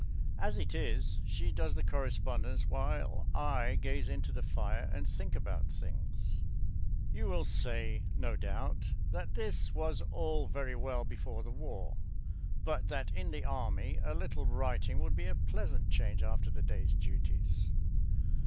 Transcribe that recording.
As it is, she does the correspondence, while I gaze into the fire and think about things. You will say, no doubt, that this was all very well before the War, but that in the Army a little writing would be a pleasant change after the day's duties.